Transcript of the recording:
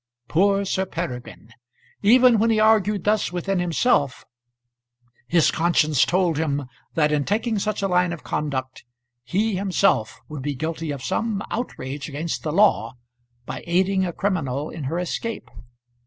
Poor Sir Peregrine! Even when he argued thus within himself, his conscience told him that in taking such a line of conduct, he himself would be guilty of some outrage against the law by aiding a criminal in her escape.